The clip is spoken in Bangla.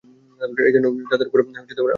এইজন্যই তাদের উপর আমার বেশী বিশ্বাস।